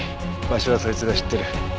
場所はそいつが知ってる。